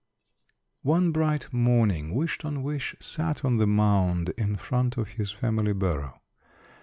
One bright May morning Wish ton wish sat on the mound in front of his family burrow.